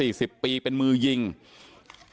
มีภาพวงจรปิดอีกมุมหนึ่งของตอนที่เกิดเหตุนะฮะ